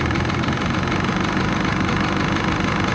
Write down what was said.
และมันกลายเป้าหมายเป้าหมายเป้าหมาย